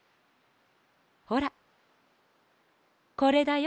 ほらこれだよ。